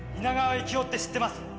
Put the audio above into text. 幸雄って知ってます